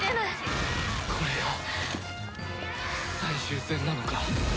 これが最終戦なのか。